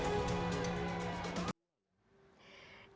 jalan jalan banjir